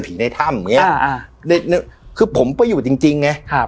ในถ้ำอย่างเงี้อ่าคือผมไปอยู่จริงจริงไงครับ